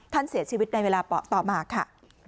เสียชีวิตในเวลาต่อมาค่ะ